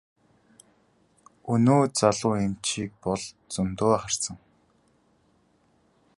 Өнөө залуу эмчийг бол зөндөө харсан.